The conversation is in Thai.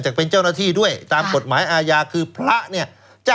เป็นเจ้าหน้าที่ด้วยตามกฎหมายอาญาคือพระเนี่ย